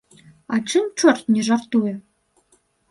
А чым чорт не жартуе!